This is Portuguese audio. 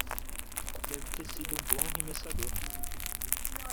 Deve ter sido um bom arremessador.